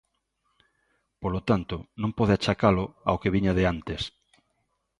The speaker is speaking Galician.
Polo tanto, non pode achacalo ao que viña de antes.